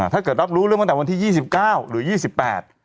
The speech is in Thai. ถ้าเกิดรับรู้เรื่องมาตั้งแต่วันที่๒๙หรือ๒๘